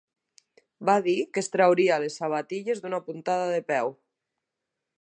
Va dir que es trauria les sabatilles d'una puntada de peu.